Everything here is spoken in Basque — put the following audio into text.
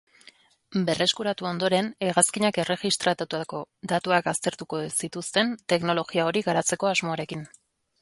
Berreskuratu ondoren, hegazkinak erregistratutako datuak aztertuko zituzten teknologia hori garatzeko asmoarekin.